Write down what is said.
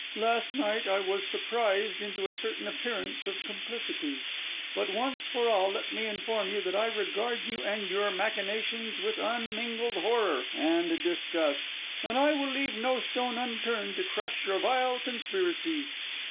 Last night, I was surprised into a certain appearance of complicity; but once for all, let me inform you that I regard you and your machinations \with unmingled horror and disgust, and I will leave no stone unturned to crush your vile conspiracy.